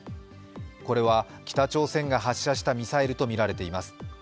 これは北朝鮮が発射したミサイルとみられています。